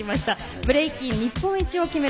ブレイキン日本一を決める